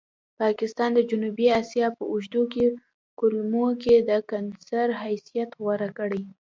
پاکستان د جنوبي اسیا په اوږدو کولمو کې د کېنسر حیثیت غوره کړی.